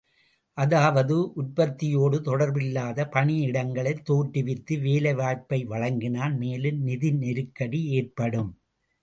அதாவது, உற்பத்தியோடு தொடர்பில்லாத பணியிடங்களைத் தோற்றுவித்து வேலை வாய்ப்பை வழங்கினால் மேலும் நிதி நெருக்கடி ஏற்படும்.